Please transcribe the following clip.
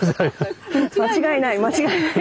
間違いない間違いない。